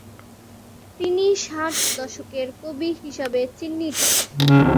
তিনি ষাট দশকের কবি হিসাবে চিহ্নিত।